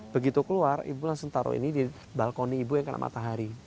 begitu keluar ibu langsung taruh ini di balkoni ibu yang kena matahari